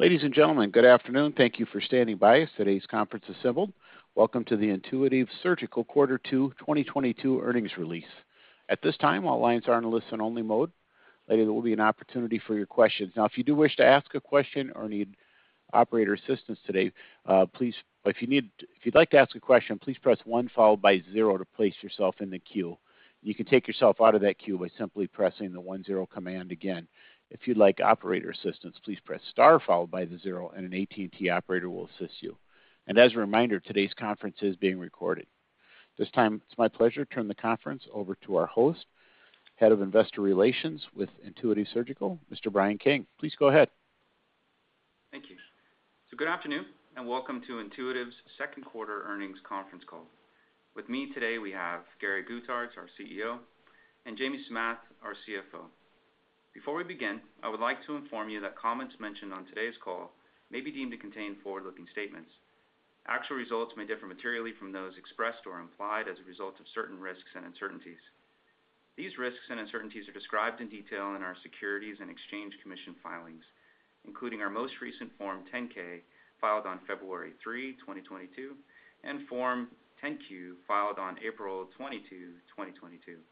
Ladies and gentlemen, good afternoon. Thank you for standing by as today's conference assembled. Welcome to the Intuitive Surgical quarter two 2022 earnings release. At this time, all lines are in a listen-only mode. Later there will be an opportunity for your questions. Now, if you do wish to ask a question or need operator assistance today, please. If you'd like to ask a question, please press one followed by zero to place yourself in the queue. You can take yourself out of that queue by simply pressing the one-zero command again. If you'd like operator assistance, please press star followed by the zero, and an AT&T operator will assist you. As a reminder, today's conference is being recorded. This time, it's my pleasure to turn the conference over to our host, Head of Investor Relations with Intuitive Surgical, Mr. Brian King. Please go ahead. Thank you. Good afternoon, and welcome to Intuitive's second quarter earnings conference call. With me today we have Gary Guthart, our CEO, and Jamie Samath, our CFO. Before we begin, I would like to inform you that comments mentioned on today's call may be deemed to contain forward-looking statements. Actual results may differ materially from those expressed or implied as a result of certain risks and uncertainties. These risks and uncertainties are described in detail in our Securities and Exchange Commission filings, including our most recent Form 10-K filed on February 3, 2022, and Form 10-Q filed on April 22, 2022.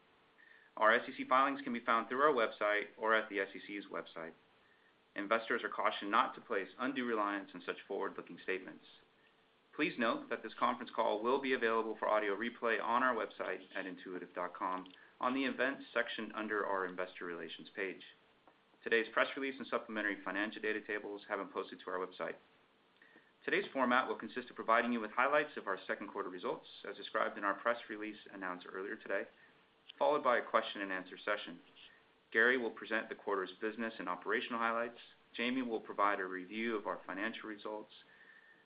Our SEC filings can be found through our website or at the SEC's website. Investors are cautioned not to place undue reliance on such forward-looking statements. Please note that this conference call will be available for audio replay on our website at intuitive.com on the Events section under our Investor Relations page. Today's press release and supplementary financial data tables have been posted to our website. Today's format will consist of providing you with highlights of our second quarter results, as described in our press release announced earlier today, followed by a question and answer session. Gary will present the quarter's business and operational highlights. Jamie will provide a review of our financial results,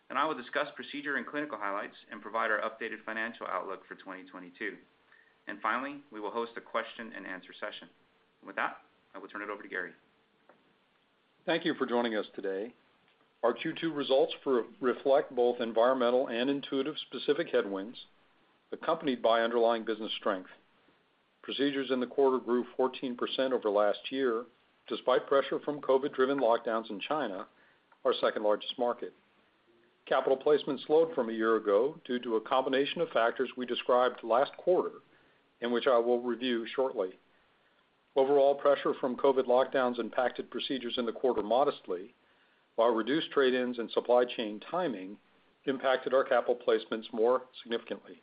and I will discuss procedure and clinical highlights and provide our updated financial outlook for 2022. Finally, we will host a question and answer session. With that, I will turn it over to Gary. Thank you for joining us today. Our Q2 results reflect both environmental and Intuitive-specific headwinds, accompanied by underlying business strength. Procedures in the quarter grew 14% over last year, despite pressure from COVID-driven lockdowns in China, our second-largest market. Capital placement slowed from a year ago due to a combination of factors we described last quarter and which I will review shortly. Overall pressure from COVID lockdowns impacted procedures in the quarter modestly, while reduced trade-ins and supply chain timing impacted our capital placements more significantly.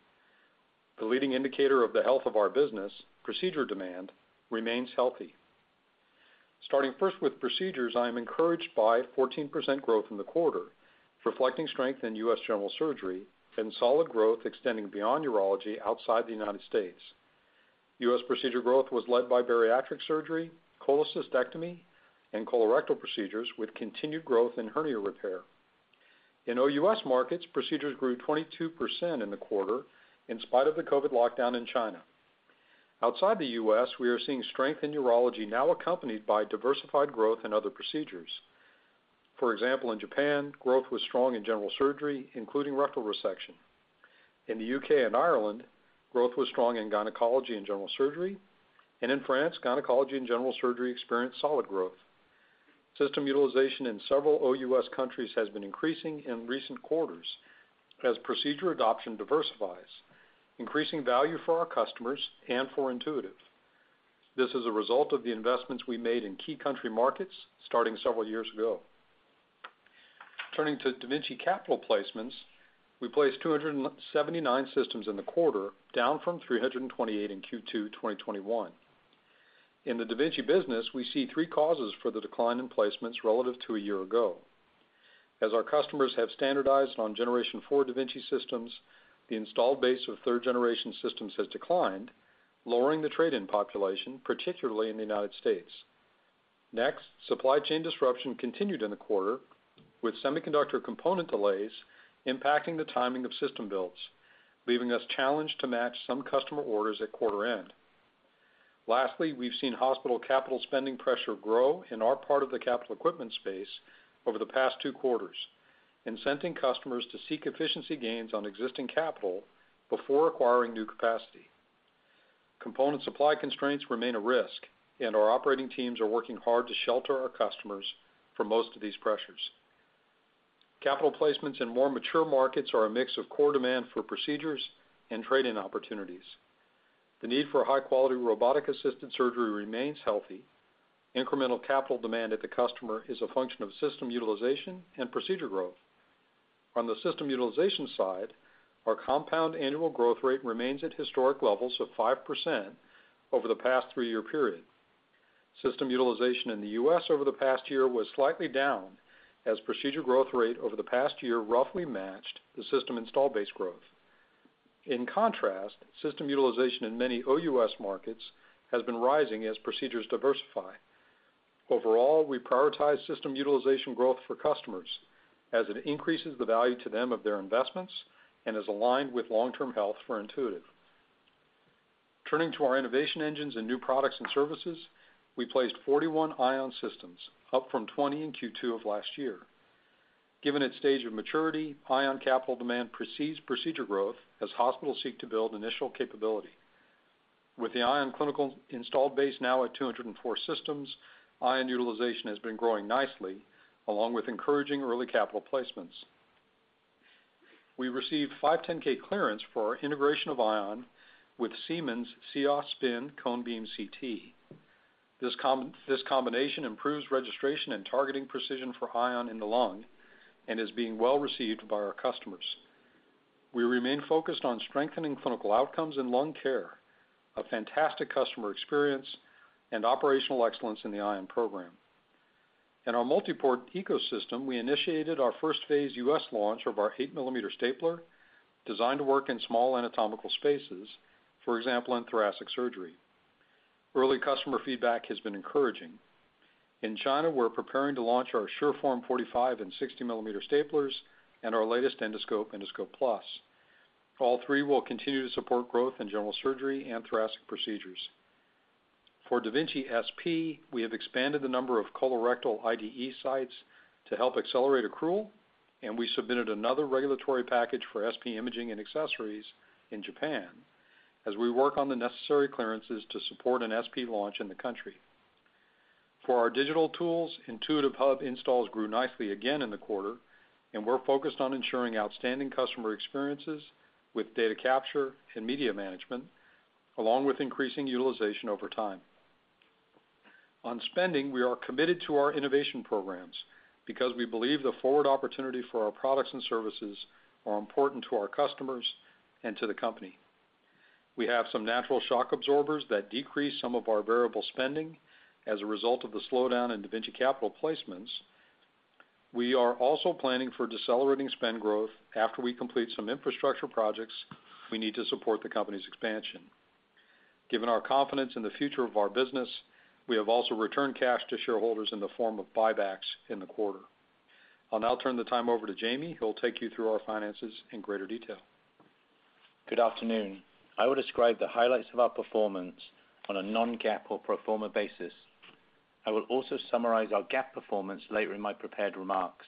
The leading indicator of the health of our business, procedure demand, remains healthy. Starting first with procedures, I am encouraged by 14% growth in the quarter, reflecting strength in U.S. general surgery and solid growth extending beyond urology outside the United States. U.S. procedure growth was led by bariatric surgery, cholecystectomy, and colorectal procedures, with continued growth in hernia repair. In OUS markets, procedures grew 22% in the quarter in spite of the COVID lockdown in China. Outside the U.S., we are seeing strength in urology, now accompanied by diversified growth in other procedures. For example, in Japan, growth was strong in general surgery, including rectal resection. In the U.K. and Ireland, growth was strong in gynecology and general surgery. In France, gynecology and general surgery experienced solid growth. System utilization in several OUS countries has been increasing in recent quarters as procedure adoption diversifies, increasing value for our customers and for Intuitive. This is a result of the investments we made in key country markets starting several years ago. Turning to da Vinci capital placements, we placed 279 systems in the quarter, down from 328 in Q2 2021. In the da Vinci business, we see three causes for the decline in placements relative to a year ago. As our customers have standardized on generation four da Vinci systems, the installed base of 3rd generation systems has declined, lowering the trade-in population, particularly in the United States. Next, supply chain disruption continued in the quarter, with semiconductor component delays impacting the timing of system builds, leaving us challenged to match some customer orders at quarter end. Lastly, we've seen hospital capital spending pressure grow in our part of the capital equipment space over the past two quarters, incenting customers to seek efficiency gains on existing capital before acquiring new capacity. Component supply constraints remain a risk, and our operating teams are working hard to shelter our customers from most of these pressures. Capital placements in more mature markets are a mix of core demand for procedures and trade-in opportunities. The need for high-quality robotic-assisted surgery remains healthy. Incremental capital demand at the customer is a function of system utilization and procedure growth. On the system utilization side, our compound annual growth rate remains at historic levels of 5% over the past 3-year period. System utilization in the U.S. over the past year was slightly down, as procedure growth rate over the past year roughly matched the system install base growth. In contrast, system utilization in many OUS markets has been rising as procedures diversify. Overall, we prioritize system utilization growth for customers as it increases the value to them of their investments and is aligned with long-term health for Intuitive. Turning to our innovation engines and new products and services, we placed 41 Ion systems, up from 20 in Q2 of last year. Given its stage of maturity, Ion capital demand precedes procedure growth as hospitals seek to build initial capability. With the Ion clinical installed base now at 204 systems, Ion utilization has been growing nicely, along with encouraging early capital placements. We received 510(k) clearance for our integration of Ion with Siemens Cios Spin cone-beam CT. This combination improves registration and targeting precision for Ion in the lung and is being well received by our customers. We remain focused on strengthening clinical outcomes in lung care, a fantastic customer experience and operational excellence in the Ion program. In our multi-port ecosystem, we initiated our first-phase U.S. launch of our 8 mm stapler designed to work in small anatomical spaces, for example, in thoracic surgery. Early customer feedback has been encouraging. In China, we're preparing to launch our SureForm 45 and 60 mm staplers and our latest endoscope, Endoscope Plus. All three will continue to support growth in general surgery and thoracic procedures. For da Vinci SP, we have expanded the number of colorectal IDE sites to help accelerate accrual, and we submitted another regulatory package for SP imaging and accessories in Japan as we work on the necessary clearances to support an SP launch in the country. For our digital tools, Intuitive Hub installs grew nicely again in the quarter, and we're focused on ensuring outstanding customer experiences with data capture and media management, along with increasing utilization over time. On spending, we are committed to our innovation programs because we believe the forward opportunity for our products and services are important to our customers and to the company. We have some natural shock absorbers that decrease some of our variable spending as a result of the slowdown in da Vinci capital placements. We are also planning for decelerating spend growth after we complete some infrastructure projects we need to support the company's expansion. Given our confidence in the future of our business, we have also returned cash to shareholders in the form of buybacks in the quarter. I'll now turn the time over to Jamie, who will take you through our finances in greater detail. Good afternoon. I will describe the highlights of our performance on a non-GAAP or pro forma basis. I will also summarize our GAAP performance later in my prepared remarks.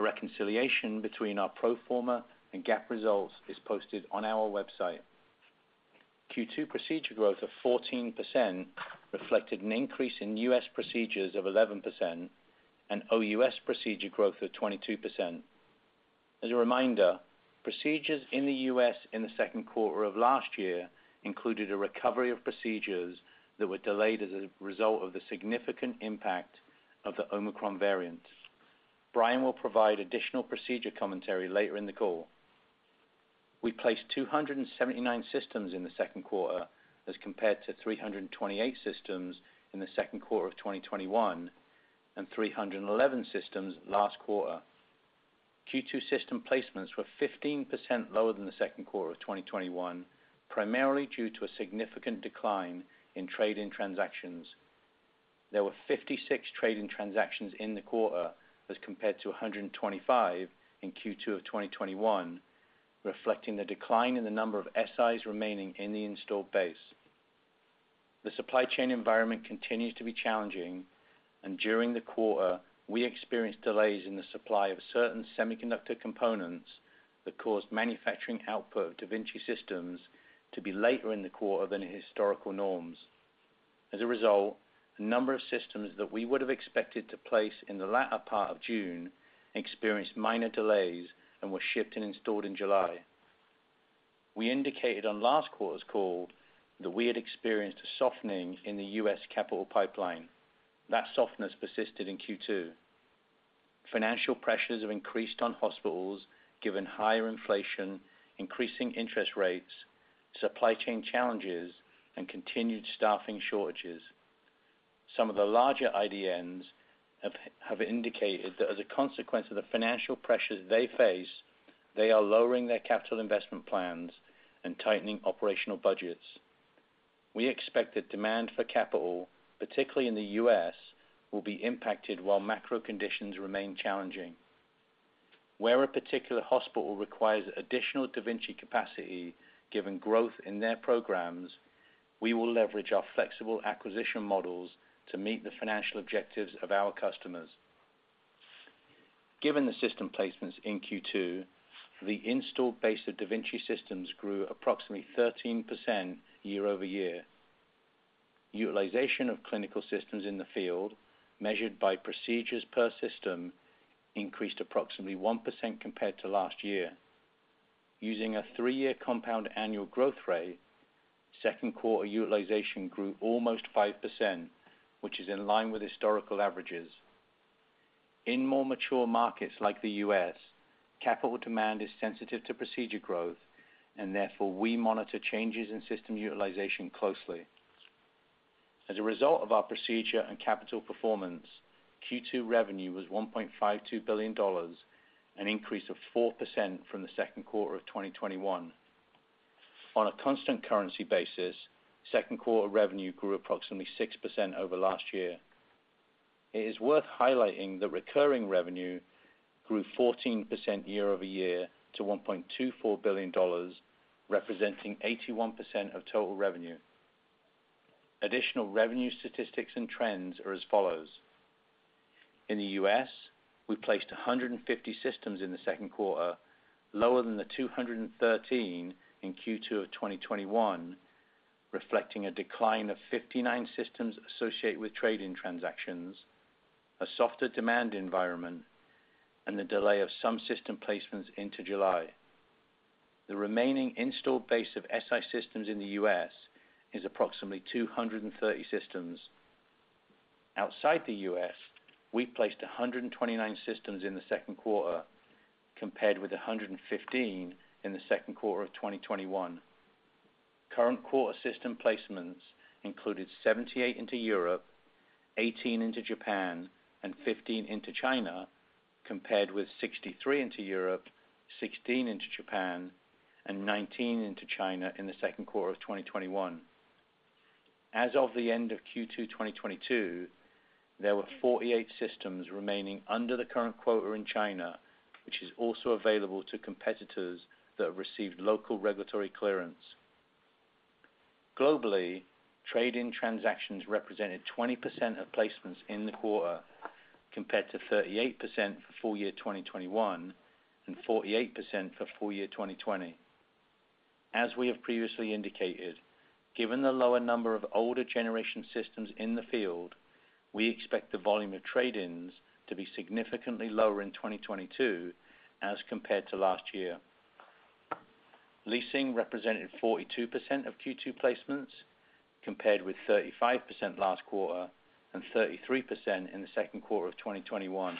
A reconciliation between our pro forma and GAAP results is posted on our website. Q2 procedure growth of 14% reflected an increase in U.S. procedures of 11% and OUS procedure growth of 22%. As a reminder, procedures in the U.S. in the second quarter of last year included a recovery of procedures that were delayed as a result of the significant impact of the Omicron variant. Brian will provide additional procedure commentary later in the call. We placed 279 systems in the second quarter as compared to 328 systems in the second quarter of 2021, and 311 systems last quarter. Q2 system placements were 15% lower than the second quarter of 2021, primarily due to a significant decline in trade-in transactions. There were 56 trade-in transactions in the quarter as compared to 125 in Q2 of 2021, reflecting the decline in the number of Si remaining in the installed base. The supply chain environment continues to be challenging, and during the quarter, we experienced delays in the supply of certain semiconductor components that caused manufacturing output of da Vinci systems to be later in the quarter than in historical norms. As a result, a number of systems that we would have expected to place in the latter part of June experienced minor delays and were shipped and installed in July. We indicated on last quarter's call that we had experienced a softening in the U.S. capital pipeline. That softness persisted in Q2. Financial pressures have increased on hospitals, given higher inflation, increasing interest rates, supply chain challenges, and continued staffing shortages. Some of the larger IDNs have indicated that as a consequence of the financial pressures they face, they are lowering their capital investment plans and tightening operational budgets. We expect that demand for capital, particularly in the U.S., will be impacted while macro conditions remain challenging. Where a particular hospital requires additional da Vinci capacity given growth in their programs, we will leverage our flexible acquisition models to meet the financial objectives of our customers. Given the system placements in Q2, the installed base of da Vinci systems grew approximately 13% year-over-year. Utilization of clinical systems in the field, measured by procedures per system, increased approximately 1% compared to last year. Using a 3-year compound annual growth rate, second quarter utilization grew almost 5%, which is in line with historical averages. In more mature markets like the U.S., capital demand is sensitive to procedure growth and therefore we monitor changes in system utilization closely. As a result of our procedure and capital performance, Q2 revenue was $1.52 billion, an increase of 4% from the second quarter of 2021. On a constant currency basis, second quarter revenue grew approximately 6% over last year. It is worth highlighting that recurring revenue grew 14% year-over-year to $1.24 billion, representing 81% of total revenue. Additional revenue statistics and trends are as follows. In the U.S., we placed 150 systems in the second quarter, lower than the 213 in Q2 of 2021, reflecting a decline of 59 systems associated with trade-in transactions, a softer demand environment, and the delay of some system placements into July. The remaining installed base of Si systems in the U.S. is approximately 230 systems. Outside the U.S., we placed 129 systems in the second quarter compared with 115 in the second quarter of 2021. Current quarter system placements included 78 into Europe, 18 into Japan, and 15 into China, compared with 63 into Europe, 16 into Japan, and 19 into China in the second quarter of 2021. As of the end of Q2 2022, there were 48 systems remaining under the current quota in China, which is also available to competitors that have received local regulatory clearance. Globally, trade-in transactions represented 20% of placements in the quarter, compared to 38% for full year 2021 and 48% for full year 2020. We have previously indicated, given the lower number of older generation systems in the field, we expect the volume of trade-ins to be significantly lower in 2022 as compared to last year. Leasing represented 42% of Q2 placements, compared with 35% last quarter and 33% in the second quarter of 2021.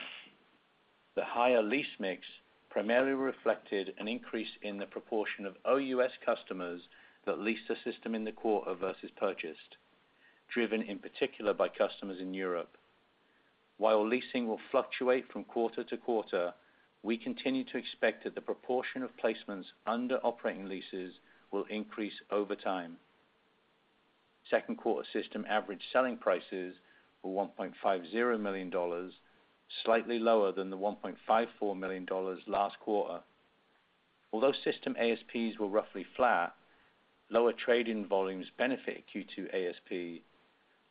The higher lease mix primarily reflected an increase in the proportion of OUS customers that leased a system in the quarter versus purchased, driven in particular by customers in Europe. While leasing will fluctuate from quarter to quarter, we continue to expect that the proportion of placements under operating leases will increase over time. Second quarter system average selling prices were $1.50 million, slightly lower than the $1.54 million last quarter. Although system ASPs were roughly flat, lower trade-in volumes benefit Q2 ASP,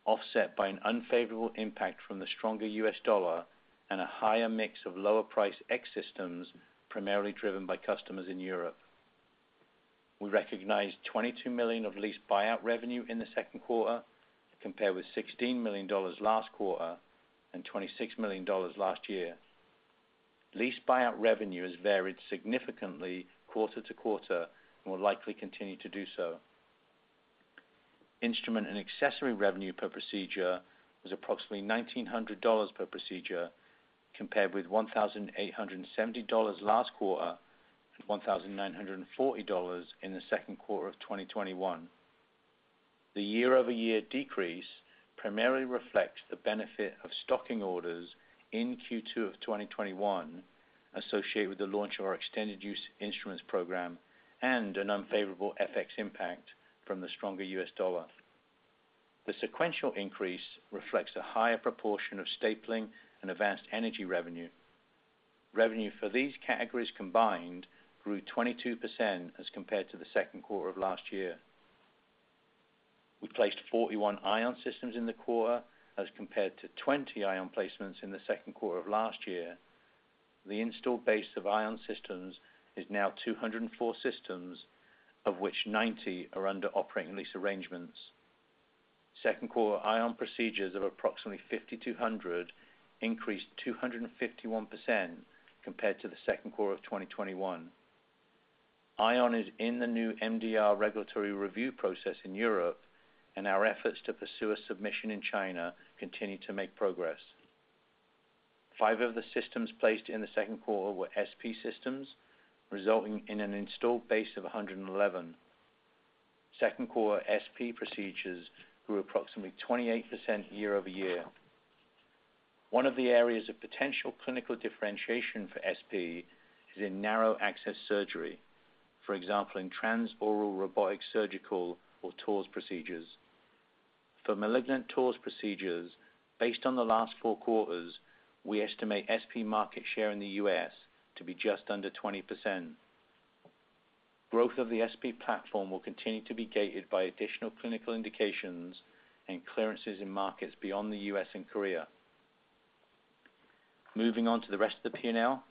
offset by an unfavorable impact from the stronger U.S. dollar and a higher mix of lower price X systems, primarily driven by customers in Europe. We recognized $22 million of lease buyout revenue in the second quarter, compared with $16 million last quarter and $26 million last year. Lease buyout revenue has varied significantly quarter to quarter and will likely continue to do so. Instrument and accessory revenue per procedure was approximately $1,900 per procedure, compared with $1,870 last quarter and $1,940 in the second quarter of 2021. The year-over-year decrease primarily reflects the benefit of stocking orders in Q2 of 2021 associated with the launch of our Extended Use Instruments program and an unfavorable FX impact from the stronger U.S. dollar. The sequential increase reflects a higher proportion of stapling and advanced energy revenue. Revenue for these categories combined grew 22% as compared to the second quarter of last year. We placed 41 Ion systems in the quarter as compared to 20 Ion placements in the second quarter of last year. The installed base of Ion systems is now 204 systems, of which 90 are under operating lease arrangements. Second quarter Ion procedures of approximately 5,200 increased 251% compared to the second quarter of 2021. Ion is in the new MDR regulatory review process in Europe, and our efforts to pursue a submission in China continue to make progress. Five of the systems placed in the second quarter were SP systems, resulting in an installed base of 111. Second quarter SP procedures grew approximately 28% year-over-year. One of the areas of potential clinical differentiation for SP is in narrow access surgery, for example, in Transoral Robotic Surgery or TORS procedures. For malignant TORS procedures, based on the last four quarters, we estimate SP market share in the U.S. to be just under 20%. Growth of the SP platform will continue to be gated by additional clinical indications and clearances in markets beyond the U.S. and Korea. Moving on to the rest of the P&L.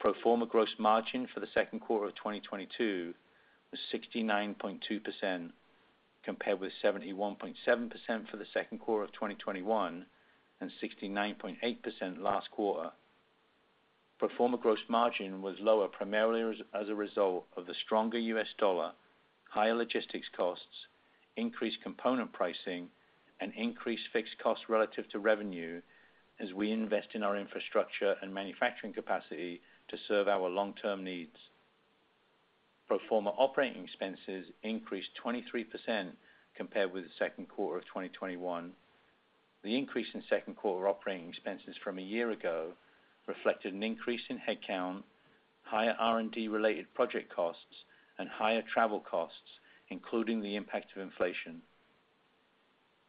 Pro forma gross margin for the second quarter of 2022 was 69.2%, compared with 71.7% for the second quarter of 2021 and 69.8% last quarter. Pro forma gross margin was lower primarily as a result of the stronger U.S. dollar, higher logistics costs, increased component pricing, and increased fixed costs relative to revenue as we invest in our infrastructure and manufacturing capacity to serve our long-term needs. Pro forma operating expenses increased 23% compared with the second quarter of 2021. The increase in second quarter operating expenses from a year ago reflected an increase in headcount, higher R&D-related project costs, and higher travel costs, including the impact of inflation.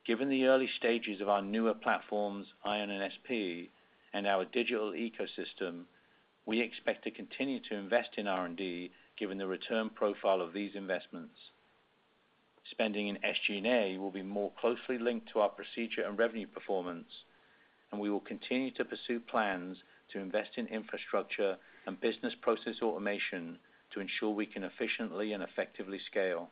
Given the early stages of our newer platforms, Ion and SP, and our digital ecosystem, we expect to continue to invest in R&D, given the return profile of these investments. Spending in SG&A will be more closely linked to our procedure and revenue performance, and we will continue to pursue plans to invest in infrastructure and business process automation to ensure we can efficiently and effectively scale.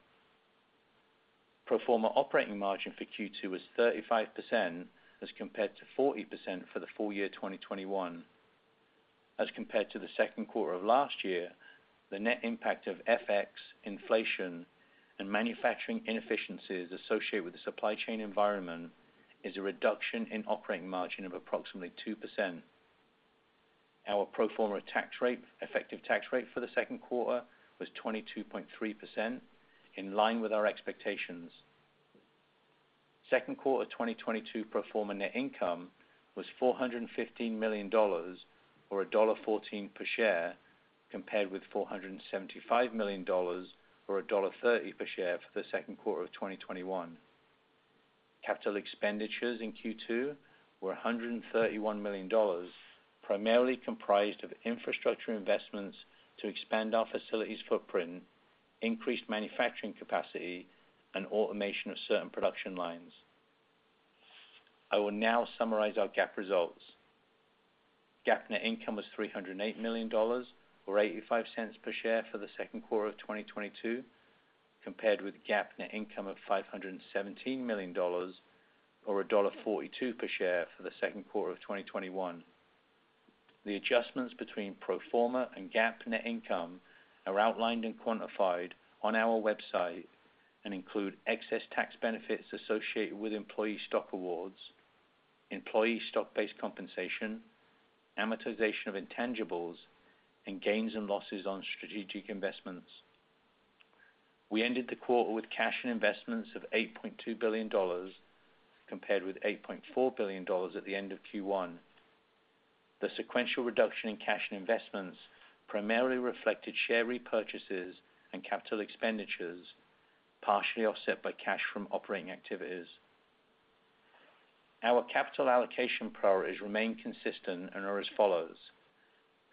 Pro forma operating margin for Q2 was 35% as compared to 40% for the full year 2021. As compared to the second quarter of last year, the net impact of FX inflation and manufacturing inefficiencies associated with the supply chain environment is a reduction in operating margin of approximately 2%. Our pro forma tax rate, effective tax rate for the second quarter was 22.3% in line with our expectations. Second quarter of 2022 pro forma net income was $415 million or $1.14 per share, compared with $475 million or $1.30 per share for the second quarter of 2021. Capital expenditures in Q2 were $131 million, primarily comprised of infrastructure investments to expand our facilities footprint, increased manufacturing capacity and automation of certain production lines. I will now summarize our GAAP results. GAAP net income was $308 million or $0.85 per share for the second quarter of 2022, compared with GAAP net income of $517 million or $1.42 per share for the second quarter of 2021. The adjustments between pro forma and GAAP net income are outlined and quantified on our website and include excess tax benefits associated with employee stock awards, employee stock-based compensation, amortization of intangibles, and gains and losses on strategic investments. We ended the quarter with cash and investments of $8.2 billion, compared with $8.4 billion at the end of Q1. The sequential reduction in cash and investments primarily reflected share repurchases and capital expenditures, partially offset by cash from operating activities. Our capital allocation priorities remain consistent and are as follows.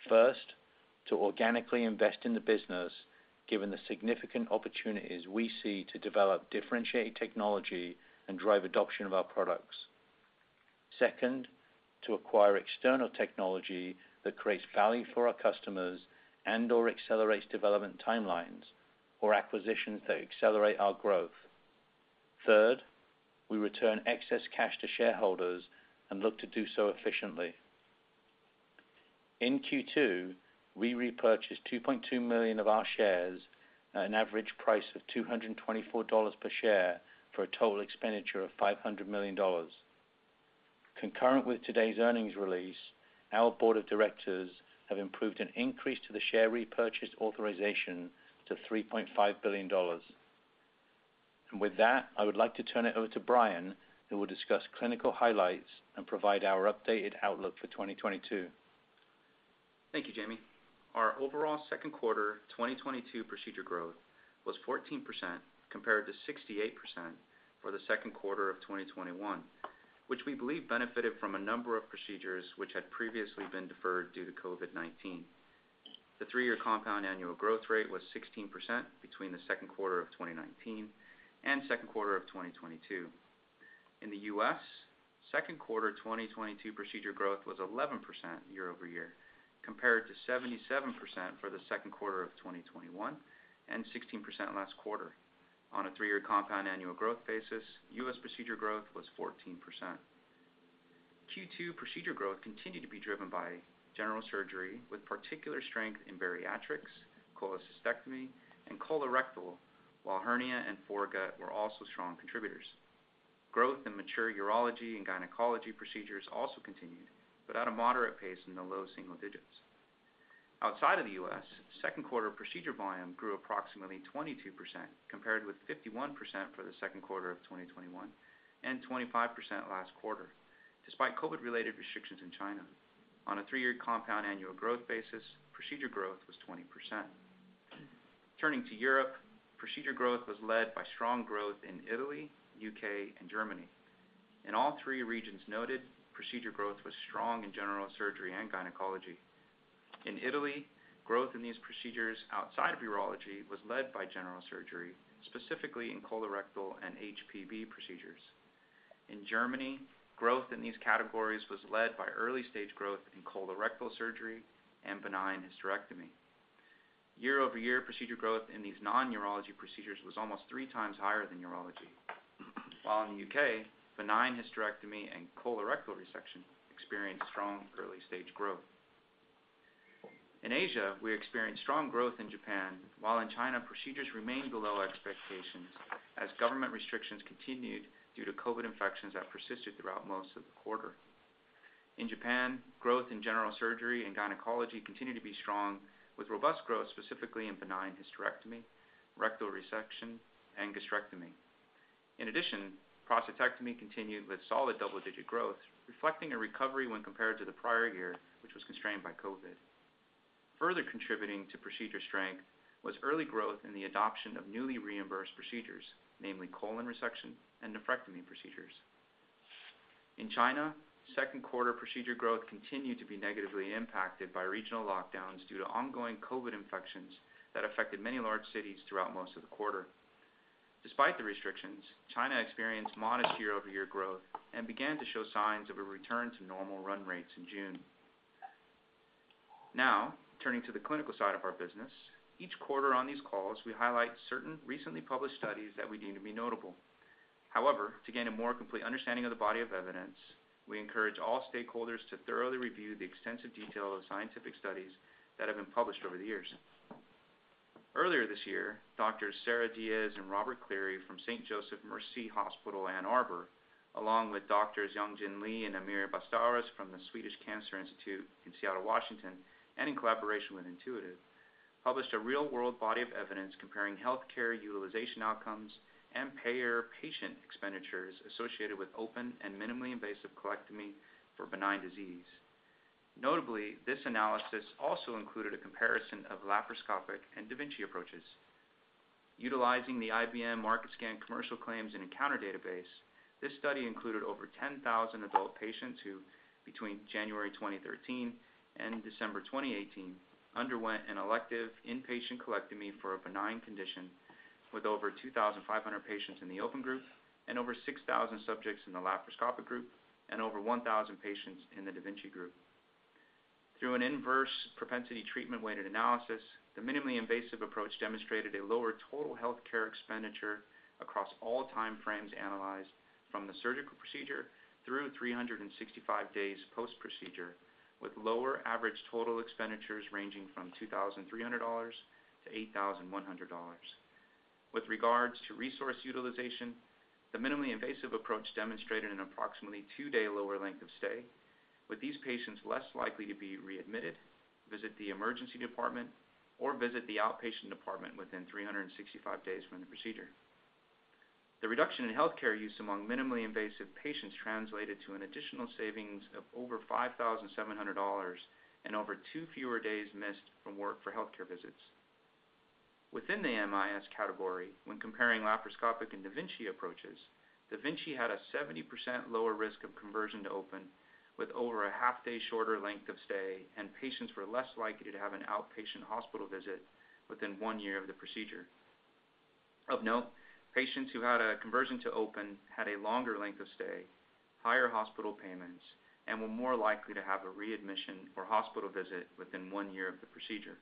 First, to organically invest in the business, given the significant opportunities we see to develop differentiated technology and drive adoption of our products. Second, to acquire external technology that creates value for our customers and/or accelerates development timelines or acquisitions that accelerate our growth. Third, we return excess cash to shareholders and look to do so efficiently. In Q2, we repurchased 2.2 million of our shares at an average price of $224 per share for a total expenditure of $500 million. Concurrent with today's earnings release, our board of directors have approved an increase to the share repurchase authorization to $3.5 billion. With that, I would like to turn it over to Brian, who will discuss clinical highlights and provide our updated outlook for 2022. Thank you, Jamie. Our overall second quarter 2022 procedure growth was 14%, compared to 68% for the second quarter of 2021, which we believe benefited from a number of procedures which had previously been deferred due to COVID-19. The 3-year compound annual growth rate was 16% between the second quarter of 2019 and second quarter of 2022. In the U.S., second quarter 2022 procedure growth was 11% year-over-year, compared to 77% for the second quarter of 2021 and 16% last quarter. On a three-year compound annual growth basis, U.S. procedure growth was 14%. Q2 procedure growth continued to be driven by general surgery, with particular strength in bariatrics, cholecystectomy, and colorectal, while hernia and foregut were also strong contributors. Growth in mature urology and gynecology procedures also continued, but at a moderate pace in the low single digits. Outside of the U.S., second quarter procedure volume grew approximately 22%, compared with 51% for the second quarter of 2021 and 25% last quarter, despite COVID-related restrictions in China. On a 3-year compound annual growth basis, procedure growth was 20%. Turning to Europe, procedure growth was led by strong growth in Italy, U.K., and Germany. In all three regions noted, procedure growth was strong in general surgery and gynecology. In Italy, growth in these procedures outside of urology was led by general surgery, specifically in colorectal and HPB procedures. In Germany, growth in these categories was led by early-stage growth in colorectal surgery and benign hysterectomy. Year-over-year, procedure growth in these non-urology procedures was almost three times higher than urology. While in the U.K., benign hysterectomy and colorectal resection experienced strong early-stage growth. In Asia, we experienced strong growth in Japan, while in China, procedures remained below expectations as government restrictions continued due to COVID infections that persisted throughout most of the quarter. In Japan, growth in general surgery and gynecology continued to be strong, with robust growth specifically in benign hysterectomy, rectal resection, and gastrectomy. In addition, prostatectomy continued with solid double-digit growth, reflecting a recovery when compared to the prior year, which was constrained by COVID. Further contributing to procedure strength was early growth in the adoption of newly reimbursed procedures, namely colon resection and nephrectomy procedures. In China, second quarter procedure growth continued to be negatively impacted by regional lockdowns due to ongoing COVID infections that affected many large cities throughout most of the quarter. Despite the restrictions, China experienced modest year-over-year growth and began to show signs of a return to normal run rates in June. Now turning to the clinical side of our business. Each quarter on these calls, we highlight certain recently published studies that we deem to be notable. However, to gain a more complete understanding of the body of evidence, we encourage all stakeholders to thoroughly review the extensive detail of scientific studies that have been published over the years. Earlier this year, Drs. Sarah Diaz and Robert Cleary from St. Joseph Mercy Hospital, Ann Arbor, along with Drs. Yongjin Lee and Amir Bastawrous from the Swedish Cancer Institute in Seattle, Washington, and in collaboration with Intuitive, published a real-world body of evidence comparing healthcare utilization outcomes and payer patient expenditures associated with open and minimally invasive colectomy for benign disease. Notably, this analysis also included a comparison of laparoscopic and da Vinci approaches. Utilizing the IBM MarketScan Commercial Claims and Encounters Database, this study included over 10,000 adult patients who between January 2013 and December 2018 underwent an elective inpatient colectomy for a benign condition, with over 2,500 patients in the open group and over 6,000 subjects in the laparoscopic group and over 1,000 patients in the da Vinci group. Through an inverse propensity treatment weighted analysis, the minimally invasive approach demonstrated a lower total healthcare expenditure across all time frames analyzed from the surgical procedure through 365 days post-procedure, with lower average total expenditures ranging from $2,300-$8,100. With regards to resource utilization, the minimally invasive approach demonstrated an approximately 2-day lower length of stay, with these patients less likely to be readmitted, visit the emergency department, or visit the outpatient department within 365 days from the procedure. The reduction in healthcare use among minimally invasive patients translated to an additional savings of over $5,700 and over 2 fewer days missed from work for healthcare visits. Within the MIS category, when comparing laparoscopic and da Vinci approaches, da Vinci had a 70% lower risk of conversion to open with over a half day shorter length of stay, and patients were less likely to have an outpatient hospital visit within 1 year of the procedure. Of note, patients who had a conversion to open had a longer length of stay, higher hospital payments, and were more likely to have a readmission or hospital visit within 1 year of the procedure.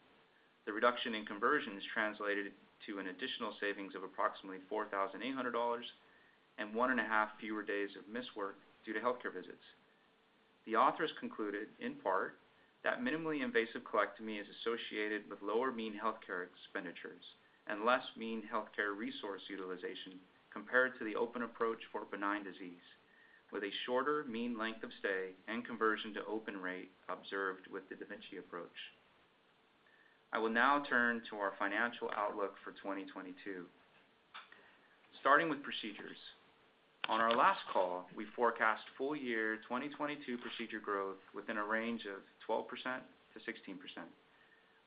The reduction in conversions translated to an additional savings of approximately $4,800 and 1.5 fewer days of missed work due to healthcare visits. The authors concluded in part that minimally invasive colectomy is associated with lower mean healthcare expenditures and less mean healthcare resource utilization compared to the open approach for benign disease, with a shorter mean length of stay and conversion to open rate observed with the da Vinci approach. I will now turn to our financial outlook for 2022. Starting with procedures. On our last call, we forecast full-year 2022 procedure growth within a range of 12%-16%.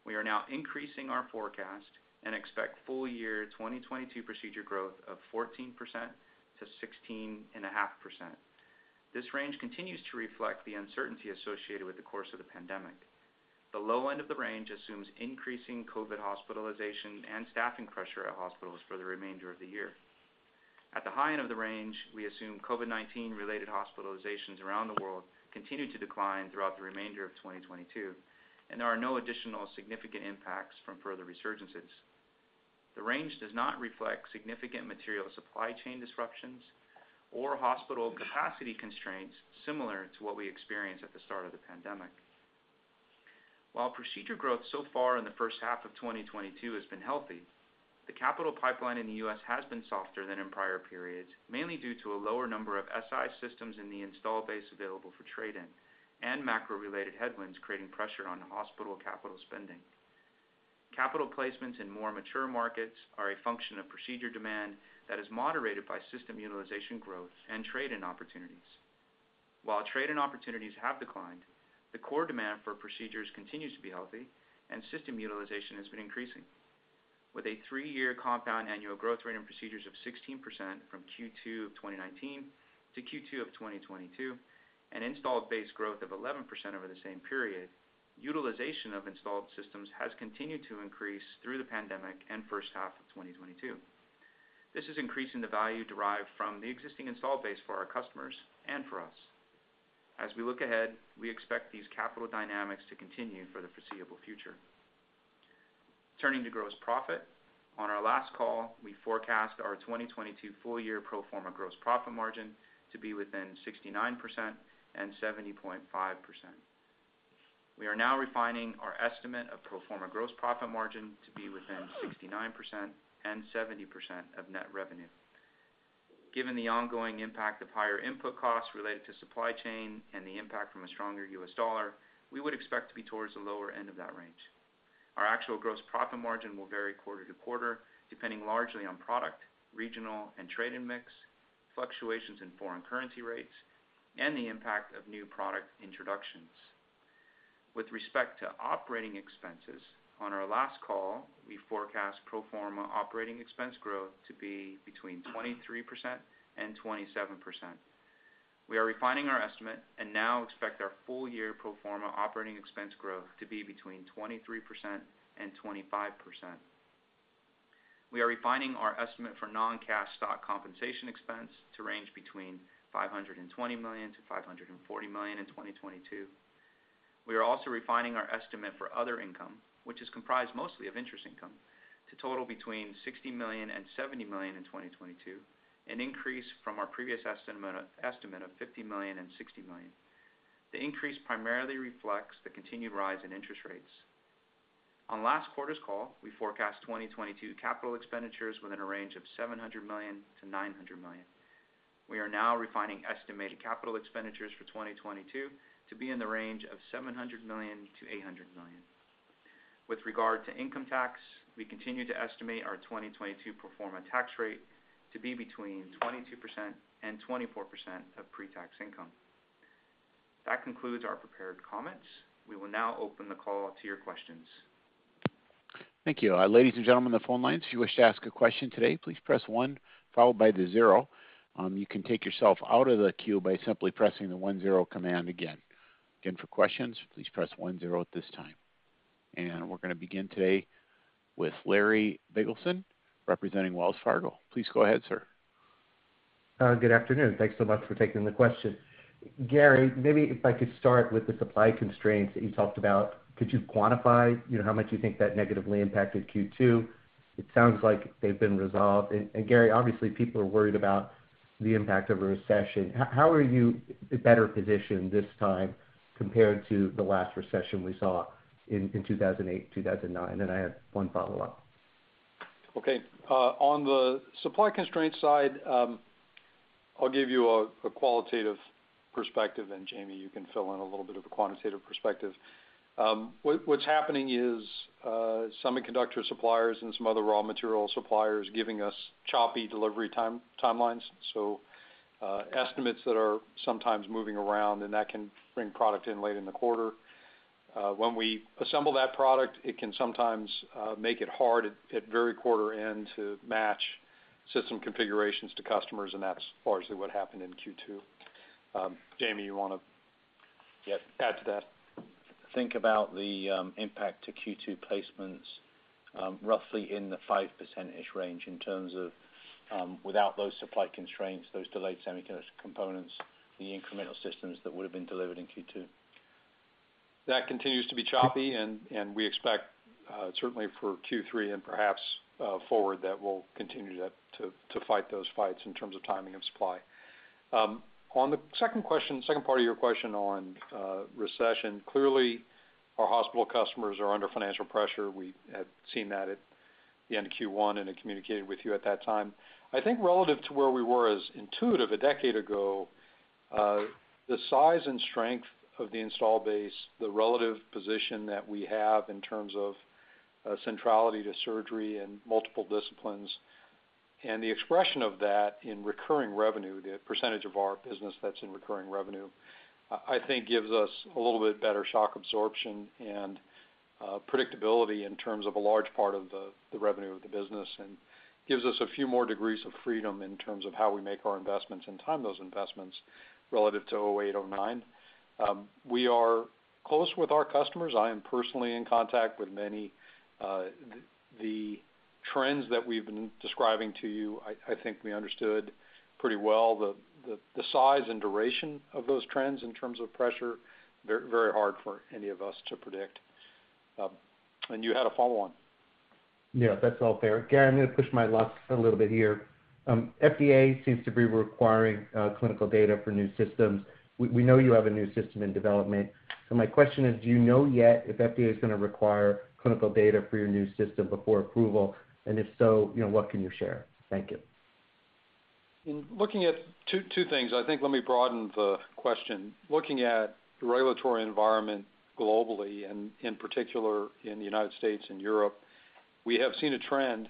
We are now increasing our forecast and expect full year 2022 procedure growth of 14%-16.5%. This range continues to reflect the uncertainty associated with the course of the pandemic. The low end of the range assumes increasing COVID-19 hospitalization and staffing pressure at hospitals for the remainder of the year. At the high end of the range, we assume COVID-19 related hospitalizations around the world continue to decline throughout the remainder of 2022, and there are no additional significant impacts from further resurgences. The range does not reflect significant material supply chain disruptions or hospital capacity constraints similar to what we experienced at the start of the pandemic. While procedure growth so far in the first half of 2022 has been healthy, the capital pipeline in the U.S. has been softer than in prior periods, mainly due to a lower number of Si systems in the install base available for trade-in and macro-related headwinds creating pressure on hospital capital spending. Capital placements in more mature markets are a function of procedure demand that is moderated by system utilization growth and trade-in opportunities. While trade-in opportunities have declined, the core demand for procedures continues to be healthy and system utilization has been increasing. With a three-year compound annual growth rate in procedures of 16% from Q2 of 2019 to Q2 of 2022, an installed base growth of 11% over the same period, utilization of installed systems has continued to increase through the pandemic and first half of 2022. This is increasing the value derived from the existing install base for our customers and for us. As we look ahead, we expect these capital dynamics to continue for the foreseeable future. Turning to gross profit. On our last call, we forecast our 2022 full year pro forma gross profit margin to be within 69% and 70.5%. We are now refining our estimate of pro forma gross profit margin to be within 69% and 70% of net revenue. Given the ongoing impact of higher input costs related to supply chain and the impact from a stronger U.S. dollar, we would expect to be towards the lower end of that range. Our actual gross profit margin will vary quarter to quarter, depending largely on product, regional and trade-in mix, fluctuations in foreign currency rates, and the impact of new product introductions. With respect to operating expenses, on our last call, we forecast pro forma operating expense growth to be between 23% and 27%. We are refining our estimate and now expect our full year pro forma operating expense growth to be between 23% and 25%. We are refining our estimate for non-cash stock compensation expense to range between $520 million-$540 million in 2022. We are also refining our estimate for other income, which is comprised mostly of interest income, to total between $60 million and $70 million in 2022, an increase from our previous estimate of $50 million and $60 million. The increase primarily reflects the continued rise in interest rates. On last quarter's call, we forecast 2022 capital expenditures within a range of $700 million-$900 million. We are now refining estimated capital expenditures for 2022 to be in the range of $700 million-$800 million. With regard to income tax, we continue to estimate our 2022 pro forma tax rate to be between 22% and 24% of pre-tax income. That concludes our prepared comments. We will now open the call to your questions. Thank you. Ladies and gentlemen on the phone lines, if you wish to ask a question today, please press one, followed by the zero. You can take yourself out of the queue by simply pressing the one zero command again. Again, for questions, please press one zero at this time. We're going to begin today with Larry Biegelsen, representing Wells Fargo. Please go ahead, sir. Good afternoon. Thanks so much for taking the question. Gary, maybe if I could start with the supply constraints that you talked about. Could you quantify, you know, how much you think that negatively impacted Q2? It sounds like they've been resolved. Gary, obviously, people are worried about the impact of a recession. How are you better positioned this time compared to the last recession we saw in 2008, 2009? I have one follow-up. Okay. On the supply constraint side, I'll give you a qualitative perspective, and Jamie, you can fill in a little bit of a quantitative perspective. What's happening is, semiconductor suppliers and some other raw material suppliers giving us choppy delivery timelines, so, estimates that are sometimes moving around, and that can bring product in late in the quarter. When we assemble that product, it can sometimes make it hard at very quarter end to match system configurations to customers, and that's largely what happened in Q2. Jamie, you wanna- Yes. Add to that. Think about the impact to Q2 placements, roughly in the 5%-ish range in terms of without those supply constraints, those delayed semiconductor components, the incremental systems that would have been delivered in Q2. That continues to be choppy, and we expect certainly for Q3 and perhaps forward, that we'll continue that to fight those fights in terms of timing and supply. On the second question, second part of your question on recession, clearly, our hospital customers are under financial pressure. We have seen that at the end of Q1 and had communicated with you at that time. I think relative to where we were as Intuitive a decade ago, the size and strength of the install base, the relative position that we have in terms of centrality to surgery and multiple disciplines, and the expression of that in recurring revenue, the percentage of our business that's in recurring revenue, I think gives us a little bit better shock absorption and predictability in terms of a large part of the revenue of the business, and gives us a few more degrees of freedom in terms of how we make our investments and time those investments relative to 2008, 2009. We are close with our customers. I am personally in contact with many. The trends that we've been describing to you, I think we understood pretty well. The size and duration of those trends in terms of pressure very, very hard for any of us to predict. You had a follow-on. Yeah, that's all there. Gary, I'm gonna push my luck just a little bit here. FDA seems to be requiring clinical data for new systems. We know you have a new system in development. My question is, do you know yet if FDA is gonna require clinical data for your new system before approval? If so, you know, what can you share? Thank you. Two things. I think let me broaden the question. Looking at the regulatory environment globally, and in particular in the United States and Europe, we have seen a trend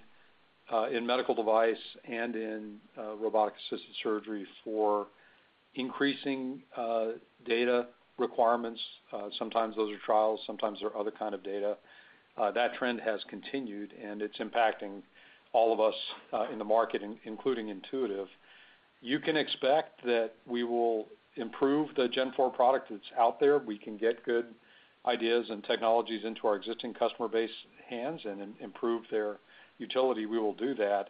in medical device and in robotic-assisted surgery for increasing data requirements. Sometimes those are trials, sometimes they're other kind of data. That trend has continued, and it's impacting all of us in the market, including Intuitive. You can expect that we will improve the Gen4 product that's out there. We can get good ideas and technologies into our existing customer base hands and improve their utility. We will do that.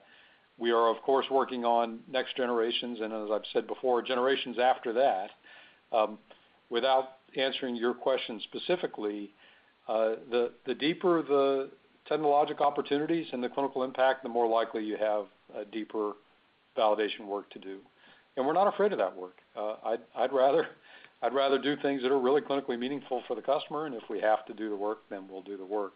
We are, of course, working on next generations, and as I've said before, generations after that. Without answering your question specifically, the deeper the technological opportunities and the clinical impact, the more likely you have a deeper validation work to do. We're not afraid of that work. I'd rather do things that are really clinically meaningful for the customer, and if we have to do the work, we'll do the work.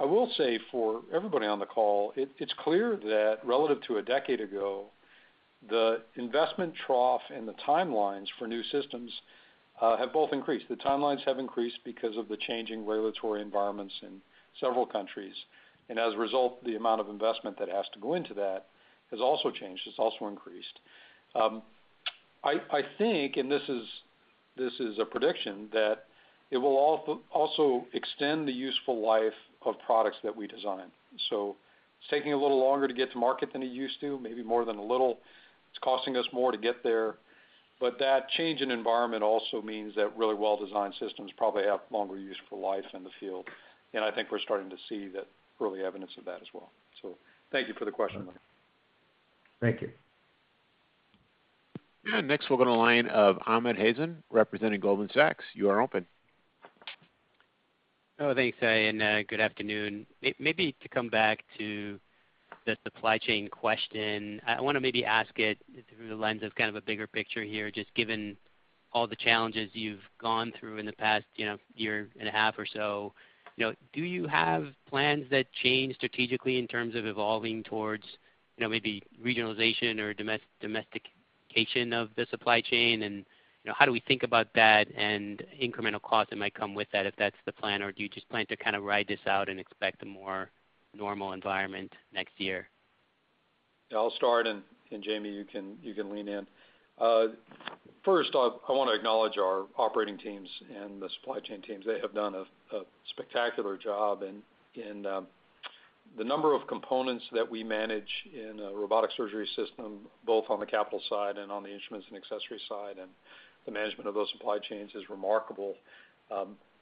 I will say for everybody on the call, it's clear that relative to a decade ago, the investment trough and the timelines for new systems have both increased. The timelines have increased because of the changing regulatory environments in several countries. As a result, the amount of investment that has to go into that has also changed. It's also increased. I think, and this is a prediction that it will also extend the useful life of products that we design. It's taking a little longer to get to market than it used to, maybe more than a little. It's costing us more to get there. That change in environment also means that really well-designed systems probably have longer useful life in the field. I think we're starting to see that early evidence of that as well. Thank you for the question, Larry. Thank you. Next, we'll go to the line of Amit Hazan representing Goldman Sachs. You are open. Oh, thanks, good afternoon. Maybe to come back to the supply chain question. I wanna maybe ask it through the lens of kind of a bigger picture here, just given all the challenges you've gone through in the past, you know, year and a half or so. You know, do you have plans that change strategically in terms of evolving towards, you know, maybe regionalization or domestication of the supply chain? You know, how do we think about that and incremental costs that might come with that, if that's the plan? Or do you just plan to kind of ride this out and expect a more normal environment next year? I'll start, and Jamie, you can lean in. First off, I wanna acknowledge our operating teams and the supply chain teams. They have done a spectacular job. The number of components that we manage in a robotic surgery system, both on the capital side and on the instruments and accessory side, and the management of those supply chains is remarkable,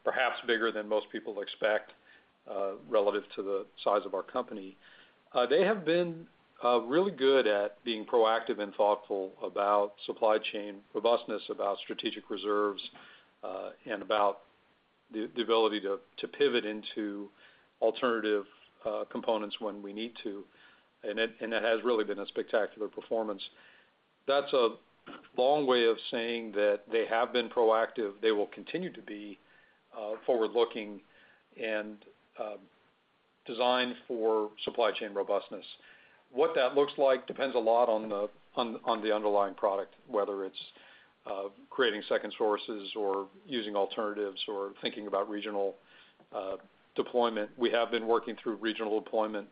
perhaps bigger than most people expect, relative to the size of our company. They have been really good at being proactive and thoughtful about supply chain robustness, about strategic reserves, and about the ability to pivot into alternative components when we need to. It has really been a spectacular performance. That's a long way of saying that they have been proactive. They will continue to be forward-looking and designed for supply chain robustness. What that looks like depends a lot on the underlying product, whether it's creating second sources or using alternatives or thinking about regional deployment. We have been working through regional deployment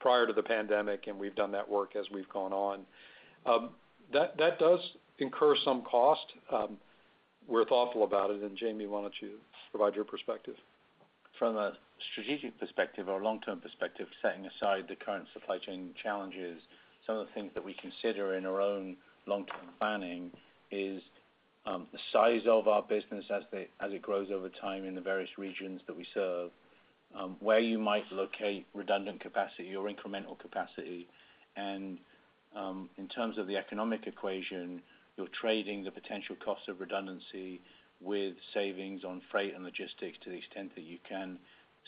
prior to the pandemic, and we've done that work as we've gone on. That does incur some cost. We're thoughtful about it. Jamie, why don't you provide your perspective? From a strategic perspective or long-term perspective, setting aside the current supply chain challenges, some of the things that we consider in our own long-term planning is the size of our business as it grows over time in the various regions that we serve, where you might locate redundant capacity or incremental capacity. In terms of the economic equation, you're trading the potential cost of redundancy with savings on freight and logistics to the extent that you can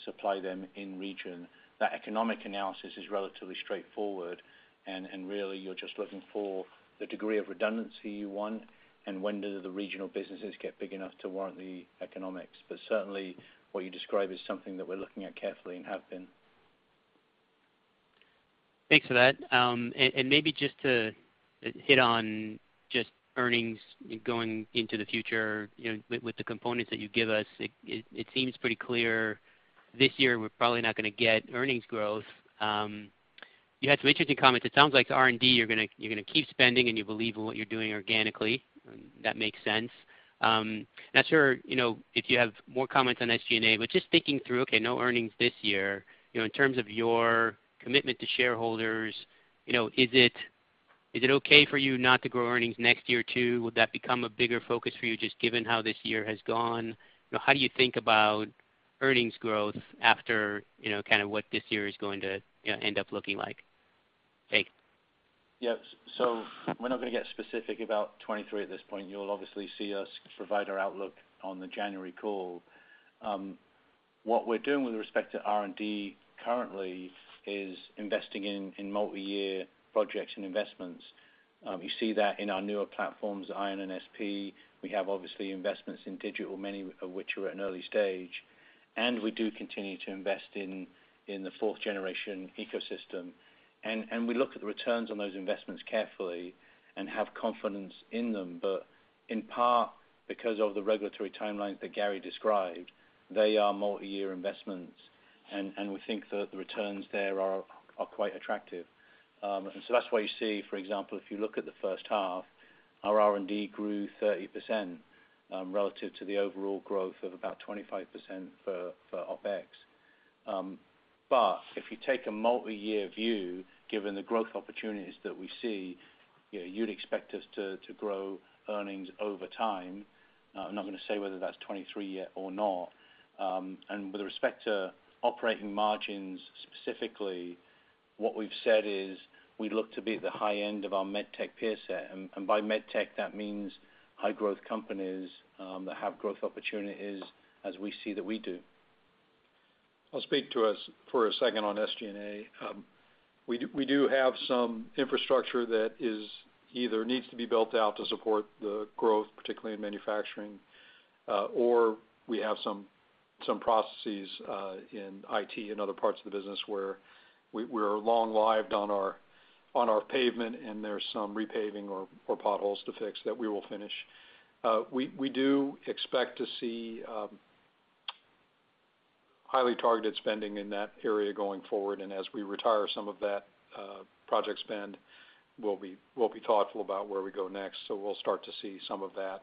supply them in region. That economic analysis is relatively straightforward, and really you're just looking for the degree of redundancy you want and when do the regional businesses get big enough to warrant the economics. Certainly, what you describe is something that we're looking at carefully and have been. Thanks for that. Maybe just to hit on just earnings going into the future, you know, with the components that you give us, it seems pretty clear this year we're probably not gonna get earnings growth. You had some interesting comments. It sounds like R&D, you're gonna keep spending, and you believe in what you're doing organically. That makes sense. Not sure, you know, if you have more comments on SG&A, but just thinking through, okay, no earnings this year, you know, in terms of your commitment to shareholders, you know, is it okay for you not to grow earnings next year too? Would that become a bigger focus for you just given how this year has gone? You know, how do you think about earnings growth after, you know, kind of what this year is going to, you know, end up looking like? Thank you. Yeah. We're not gonna get specific about 2023 at this point. You'll obviously see us provide our outlook on the January call. What we're doing with respect to R&D currently is investing in multiyear projects and investments. You see that in our newer platforms, Ion and SP. We have obviously investments in digital, many of which are at an early stage. We do continue to invest in the 4th generation ecosystem. We look at the returns on those investments carefully and have confidence in them. In part because of the regulatory timelines that Gary described, they are multiyear investments, and we think that the returns there are quite attractive. That's why you see, for example, if you look at the first half, our R&D grew 30%, relative to the overall growth of about 25% for OpEx. If you take a multiyear view, given the growth opportunities that we see, you know, you'd expect us to grow earnings over time. I'm not gonna say whether that's 2023 yet or not. With respect to operating margins specifically, what we've said is we look to be at the high end of our med tech peer set. By med tech, that means high growth companies that have growth opportunities as we see that we do. I'll speak to us for a second on SG&A. We do have some infrastructure that either needs to be built out to support the growth, particularly in manufacturing, or we have some processes in IT and other parts of the business where we're long-lived on our pavement, and there's some repaving or potholes to fix that we will finish. We do expect to see highly targeted spending in that area going forward. As we retire some of that project spend, we'll be thoughtful about where we go next. We'll start to see some of that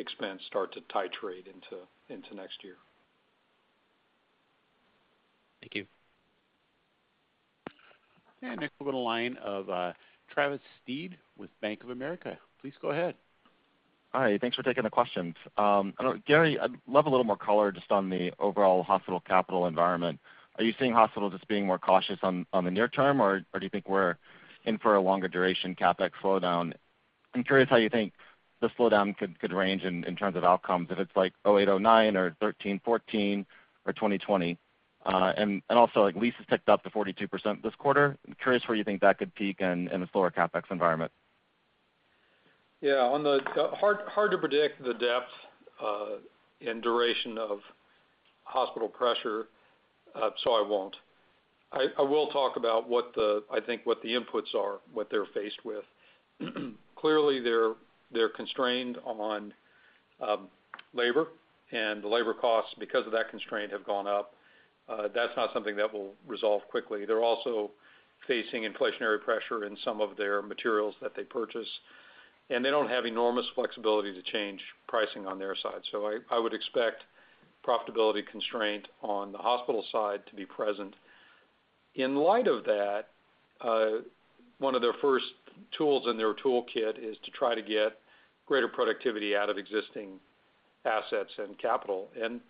expense start to titrate into next year. Thank you. Next, we'll go to the line of Travis Steed with Bank of America. Please go ahead. Hi. Thanks for taking the questions. Gary, I'd love a little more color just on the overall hospital capital environment. Are you seeing hospitals just being more cautious on the near term or do you think we're in for a longer duration CapEx slowdown? I'm curious how you think the slowdown could range in terms of outcomes, if it's like 2008, 2009 or 2013, 2014 or 2020. Also, like, leases ticked up to 42% this quarter. I'm curious where you think that could peak in a slower CapEx environment. Yeah. It's hard to predict the depth and duration of hospital pressure, so I won't. I will talk about what I think the inputs are, what they're faced with. Clearly, they're constrained on labor, and the labor costs, because of that constraint, have gone up. That's not something that will resolve quickly. They're also facing inflationary pressure in some of their materials that they purchase, and they don't have enormous flexibility to change pricing on their side. I would expect profitability constraint on the hospital side to be present. In light of that, one of their first tools in their toolkit is to try to get greater productivity out of existing assets and capital, and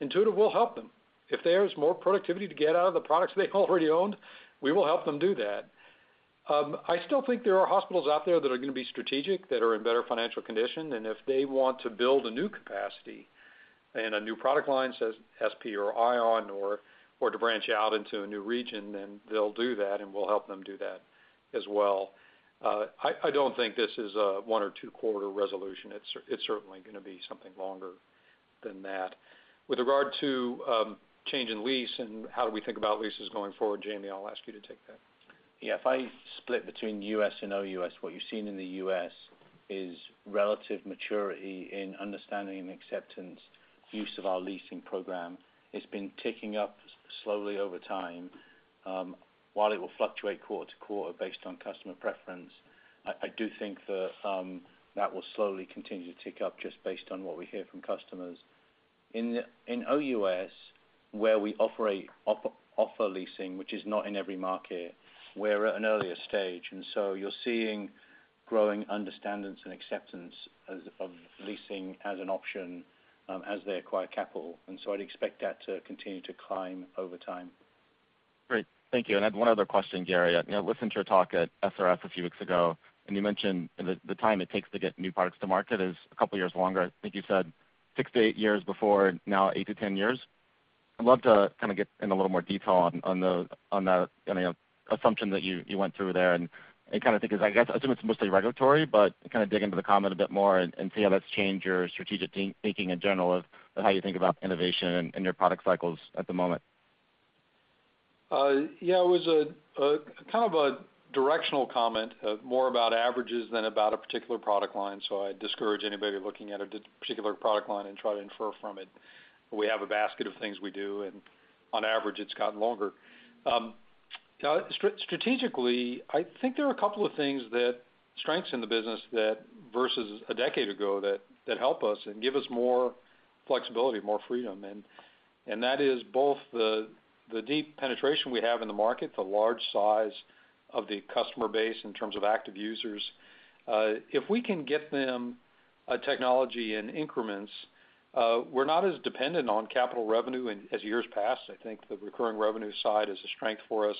Intuitive will help them. If there's more productivity to get out of the products they already own, we will help them do that. I still think there are hospitals out there that are gonna be strategic, that are in better financial condition, and if they want to build a new capacity and a new product line, say, SP or Ion, or to branch out into a new region, then they'll do that, and we'll help them do that as well. I don't think this is a one or two quarter resolution. It's certainly gonna be something longer than that. With regard to change in lease and how do we think about leases going forward, Jamie, I'll ask you to take that. Yeah. If I split between U.S. and OUS, what you've seen in the U.S. is relative maturity in understanding and acceptance and use of our leasing program. It's been ticking up slowly over time. While it will fluctuate quarter to quarter based on customer preference, I do think that will slowly continue to tick up just based on what we hear from customers. In OUS, where we offer leasing, which is not in every market, we're at an earlier stage. You're seeing growing understanding and acceptance of leasing as an option, as they acquire capital. I'd expect that to continue to climb over time. Great. Thank you. I have one other question, Gary. You know, I listened to your talk at SRF a few weeks ago, and you mentioned the time it takes to get new products to market is a couple of years longer. I think you said six to eight years before, now eight to ten years. I'd love to kind of get in a little more detail on the assumption that you went through there and kind of think is, I guess, I assume it's mostly regulatory, but kind of dig into the comment a bit more and see how that's changed your strategic thinking in general of how you think about innovation and your product cycles at the moment. Yeah, it was a kind of a directional comment, more about averages than about a particular product line, so I discourage anybody looking at a particular product line and try to infer from it. We have a basket of things we do, and on average, it's gotten longer. Strategically, I think there are a couple of things that strengths in the business that versus a decade ago that help us and give us more flexibility, more freedom. That is both the deep penetration we have in the market, the large size of the customer base in terms of active users. If we can get them a technology in increments, we're not as dependent on capital revenue in as years past. I think the recurring revenue side is a strength for us.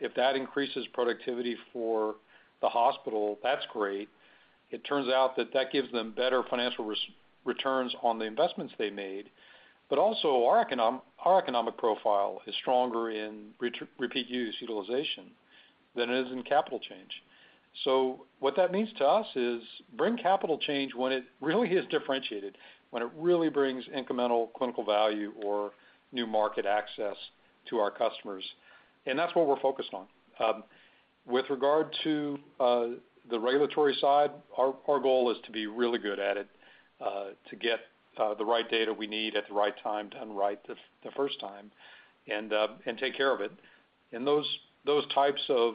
If that increases productivity for the hospital, that's great. It turns out that that gives them better financial returns on the investments they made. Also our economic profile is stronger in repeat use utilization than it is in capital change. What that means to us is bring capital change when it really is differentiated, when it really brings incremental clinical value or new market access to our customers. That's what we're focused on. With regard to the regulatory side, our goal is to be really good at it, to get the right data we need at the right time done right the first time and take care of it. Those types of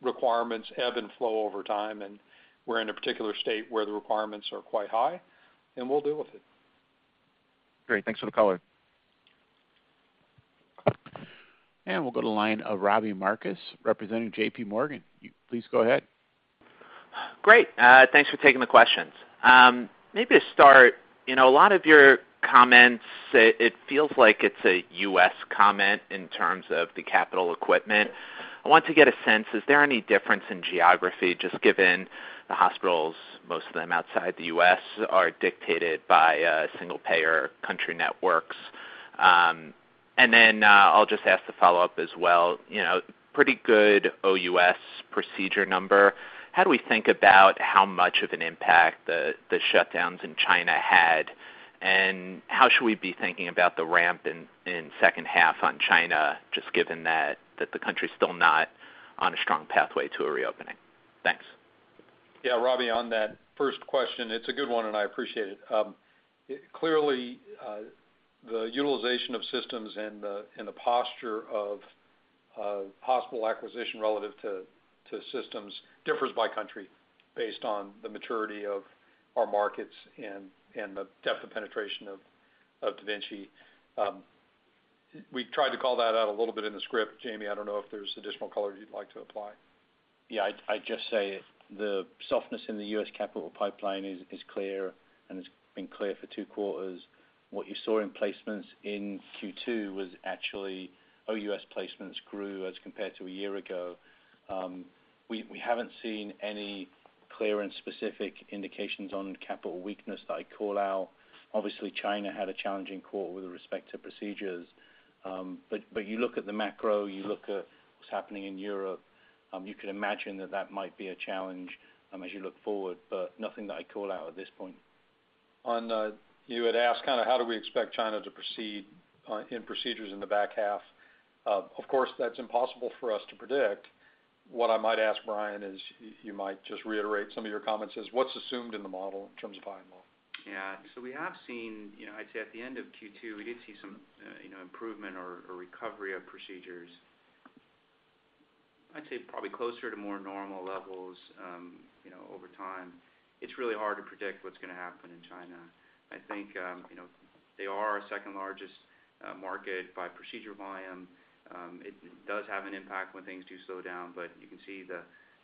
requirements ebb and flow over time, and we're in a particular state where the requirements are quite high, and we'll deal with it. Great. Thanks for the color. We'll go to line of Robbie Marcus, representing J.P. Morgan. You please go ahead. Great. Thanks for taking the questions. Maybe to start, you know, a lot of your comments, it feels like it's a U.S. comment in terms of the capital equipment. I want to get a sense, is there any difference in geography just given the hospitals, most of them outside the US are dictated by single payer country networks? I'll just ask the follow-up as well. You know, pretty good OUS procedure number. How do we think about how much of an impact the shutdowns in China had, and how should we be thinking about the ramp in second half on China just given that the country is still not on a strong pathway to a reopening? Thanks. Yeah, Robbie, on that first question, it's a good one, and I appreciate it. Clearly, the utilization of systems and the posture of possible acquisition relative to systems differs by country based on the maturity of our markets and the depth of penetration of da Vinci. We tried to call that out a little bit in the script. Jamie, I don't know if there's additional color you'd like to apply. Yeah. I'd just say the softness in the U.S. capital pipeline is clear, and it's been clear for two quarters. What you saw in placements in Q2 was actually OUS placements grew as compared to a year ago. We haven't seen any clear and specific indications on capital weakness that I call out. Obviously, China had a challenging quarter with respect to procedures. You look at the macro, you look at what's happening in Europe, you could imagine that that might be a challenge as you look forward, but nothing that I'd call out at this point. You had asked kinda how do we expect China to proceed in procedures in the back half. Of course, that's impossible for us to predict. What I might ask Brian is, you might just reiterate some of your comments, is what's assumed in the model in terms of buying model? Yeah. We have seen, you know, I'd say at the end of Q2, we did see some, you know, improvement or recovery of procedures. I'd say probably closer to more normal levels, you know, over time. It's really hard to predict what's gonna happen in China. I think, you know, they are our second-largest market by procedure volume. It does have an impact when things do slow down, but you can see the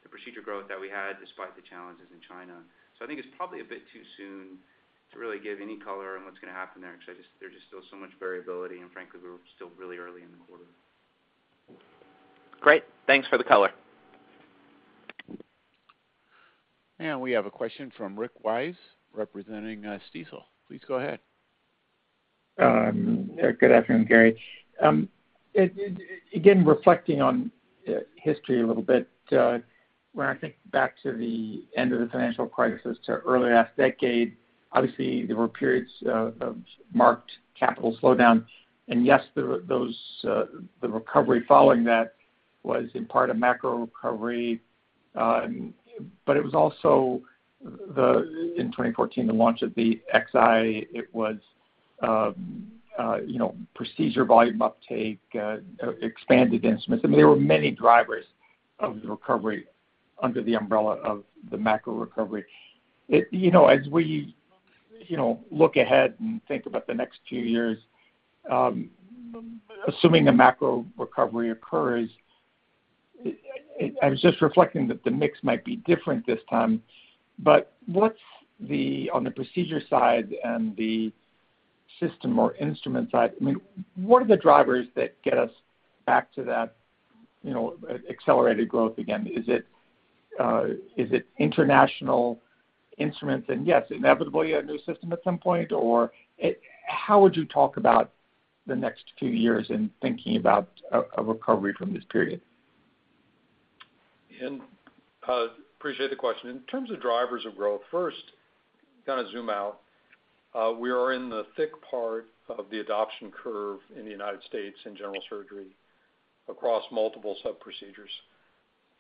procedure growth that we had despite the challenges in China. I think it's probably a bit too soon to really give any color on what's gonna happen there because there's just still so much variability, and frankly, we're still really early in the quarter. Great. Thanks for the color. We have a question from Rick Wise representing Stifel. Please go ahead. Good afternoon, Gary. Again, reflecting on history a little bit, when I think back to the end of the financial crisis to early last decade, obviously, there were periods of marked capital slowdown. Yes, those, the recovery following that was in part a macro recovery, but it was also the, in 2014, the launch of the Xi. It was, you know, procedure volume uptake, expanded instruments. I mean, there were many drivers of the recovery under the umbrella of the macro recovery. You know, as we, you know, look ahead and think about the next few years, assuming the macro recovery occurs, I was just reflecting that the mix might be different this time. What's the, on the procedure side and the system or instrument side, I mean, what are the drivers that get us back to that, you know, accelerated growth again? Is it international instruments? Yes, inevitably you have new system at some point, or how would you talk about the next few years in thinking about a recovery from this period? Appreciate the question. In terms of drivers of growth, first, kinda zoom out, we are in the thick part of the adoption curve in the United States in general surgery across multiple sub-procedures,